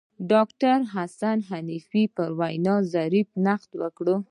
ډاکتر حسن حنفي پر وینا ظریف نقد وکړ.